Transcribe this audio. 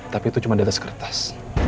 tapi itu cuma di atas kertas